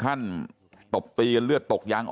กระดิ่งเสียงเรียกว่าเด็กน้อยจุดประดิ่ง